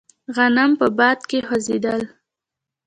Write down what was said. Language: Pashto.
غنم په باد کې خوځېدل.